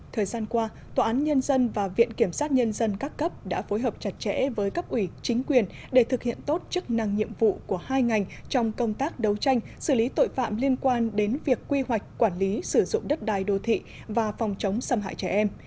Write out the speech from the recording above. thời gian qua tòa án nhân dân và viện kiểm sát nhân dân các cấp đã phối hợp chặt chẽ với cấp ủy chính quyền để thực hiện tốt chức năng nhiệm vụ của hai ngành trong công tác đấu tranh xử lý tội phạm liên quan đến việc quy hoạch quản lý sử dụng đất đai đô thị và phòng chống xâm hại trẻ em